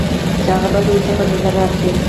چې هغه بد ورته پۀ نظر راشي،